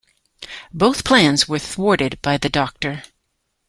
Both plans were thwarted by the Doctor.